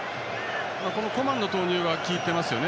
コマンの投入が効いていますね。